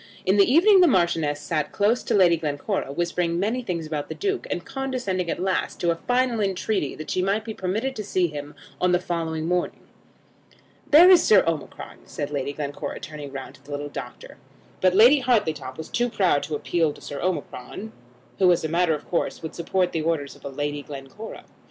In the evening the Marchioness sat close to Lady Glencora, whispering many things about the Duke; and condescending at last to a final entreaty that she might be permitted to see him on the following morning. "There is Sir Omicron," said Lady Glencora, turning round to the little doctor. But Lady Hartletop was too proud to appeal to Sir Omicron, who, as a matter of course, would support the orders of Lady Glencora.